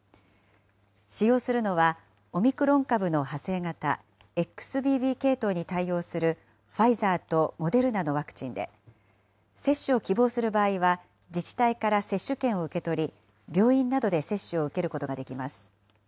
使用するのは、オミクロン株の派生型、ＸＢＢ系統に対応するファイザーとモデルナのワクチンで、接種を希望する場合は、自治体から接種券を受け取り、病院などで接種を受けることができます。